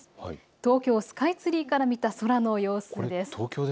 東京スカイツリーから見た空の様子です。